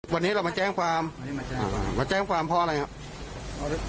วันนี้เรามาแจ้งความวันนี้มาแจ้งความเราแจ้งความเพราะอะไรครับ